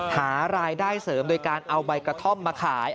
หารายได้เสริมโดยการเอาใบกระท่อมมาขาย